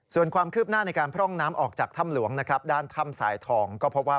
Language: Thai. ส่วนความคืบหน้าในการพร่องน้ำออกจากถ้ำหลวงนะครับด้านถ้ำสายทองก็พบว่า